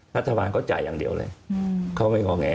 รัฐบาลเขาจ่ายอย่างเดียวเลยเขาไม่งอแง